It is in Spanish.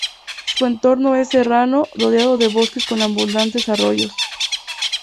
Su entorno es serrano rodeado de bosques con abundantes arroyos.